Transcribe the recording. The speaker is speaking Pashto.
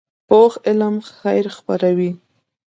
پوخ علم خیر خپروي